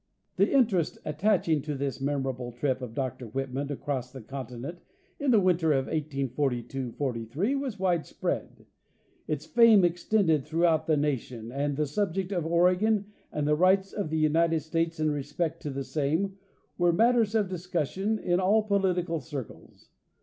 The interest attaching to this memorable trip of Dr Whitman across the continent in the winter of 1842 45 was widespread. Its fame extended throughout the nation, and the subject of Oregon and the rights of the United States in respect to the same 258 John H. Mitchell— Oregon were matters of discussion in all political circles.